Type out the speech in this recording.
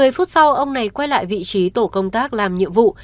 một mươi phút sau ông này quay lại vị trí tổ công tác làm nhiệm vụ